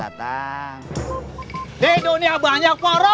di dunia banyak poros di dunia banyak poros